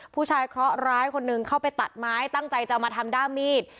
เคราะหร้ายคนหนึ่งเข้าไปตัดไม้ตั้งใจจะมาทำด้ามมีด